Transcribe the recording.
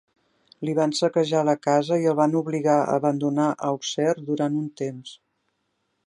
Li van saquejar la casa i el van obligar a abandonar Auxerre durant un temps.